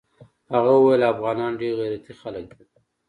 هغه ويل افغانان ډېر غيرتي خلق دي.